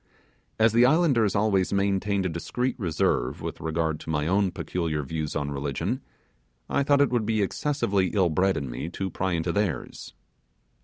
As the islanders always maintained a discreet reserve with regard to my own peculiar views on religion, I thought it would be excessively ill bred of me to pry into theirs.